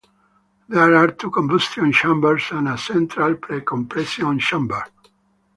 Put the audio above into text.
There are two combustion chambers and a central precompression chamber.